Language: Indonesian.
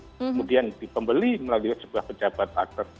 kemudian dibeli melalui sebuah pejabat aktor